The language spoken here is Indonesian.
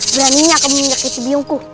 beraninya kamu menyakiti biungku